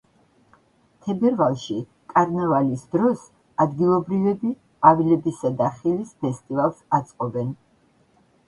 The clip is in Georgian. თებერვალში, კარნავალის დროს, ადგილობრივები ყვავილებისა და ხილის ფესტივალს აწყობენ.